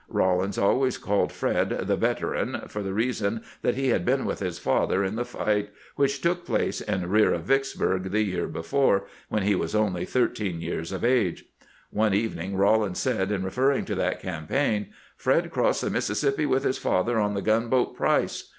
Eawlins always called Fred the " Veteran," for the reason that he had been with his father in the fight which took place in rear of Vicksburg the year before, when he was only thirteen years of age. One evening Eawlins said, in re ferring to that campaign :" Fred crossed the Mississippi with his father on the gunboat Price.